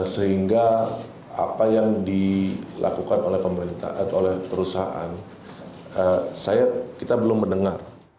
sehingga apa yang dilakukan oleh perusahaan kita belum mendengar